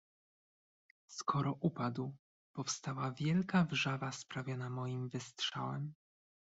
"Skoro upadł, powstała wielka wrzawa sprawiona moim wystrzałem."